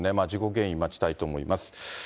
事故原因、待ちたいと思います。